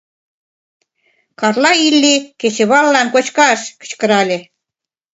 — Карла, Илли, кечываллан кочкаш! — кычкырале.